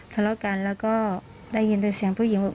ทะเลาะกันแล้วก็ได้ยินแต่เสียงผู้หญิงบอก